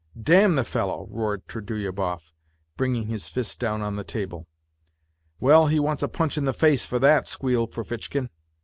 " Damn the fellow !" roared Trudolyubov, bringing h: down on the table. " Well, he wants a punch in the face for that," squealed Ferfitchkin.